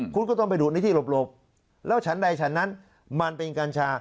คุณก็ต้องไปดูดในที่หลบแล้วฉันใดฉันนั้นมันเป็นกัญชา